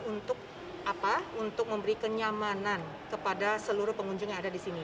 untuk memberi kenyamanan kepada seluruh pengunjung yang ada di sini